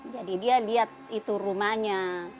jadi dia lihat itu rumahnya